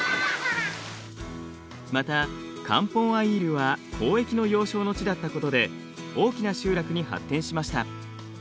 またカンポン・アイールは交易の要衝の地だったことで大きな集落に発展しました。